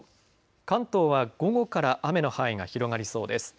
関東は午後から雨の範囲が広がりそうです。